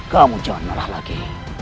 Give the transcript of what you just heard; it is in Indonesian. kamu jangan marah lagi